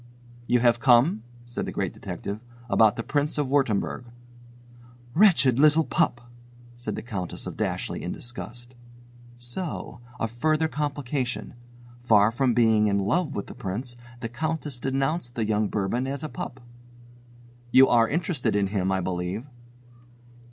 "You have come," said the Great Detective, "about the Prince of Wurttemberg." "Wretched little pup!" said the Countess of Dashleigh in disgust. So! A further complication! Far from being in love with the Prince, the Countess denounced the young Bourbon as a pup! "You are interested in him, I believe."